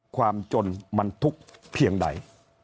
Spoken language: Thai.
ความจนมันทุกข์เพียงใด